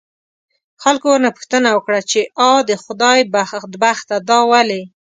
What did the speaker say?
خلکو ورنه پوښتنه وکړه، چې آ د خدای بدبخته دا ولې؟